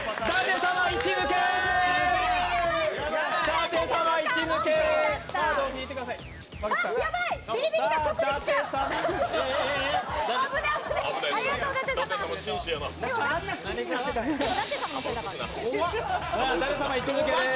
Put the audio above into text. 舘様、１抜けです。